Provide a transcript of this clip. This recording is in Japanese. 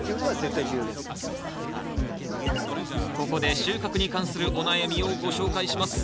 ここで収穫に関するお悩みをご紹介します。